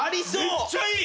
めっちゃいい！